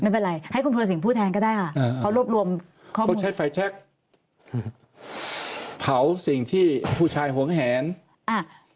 ไม่เป็นไรให้คุณธุระสิงธ์พูดแทนก็ได้ค่ะอ่าเขารวบรวมควบคุณใช้ไฟแช็กหือเผาสิ่งที่ผู้ชายหวงแหนอ่า